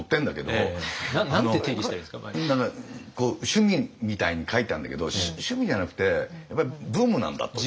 趣味みたいに書いてあんだけど趣味じゃなくてやっぱりブームなんだと。